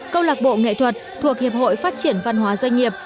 câu lạc bộ nghệ thuật thuộc hiệp hội phát triển văn hóa doanh nghiệp